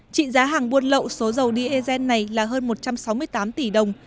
trị giá hàng buôn lậu số dầu diesel này là hơn một trăm sáu mươi tám tỷ đồng